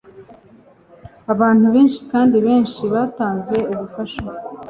abantu benshi kandi benshi batanze ubufasha